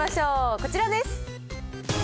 こちらです。